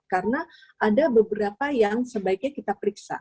karena ada beberapa yang sebaiknya kita periksa